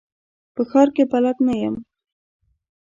په ښار کي بلد نه یم .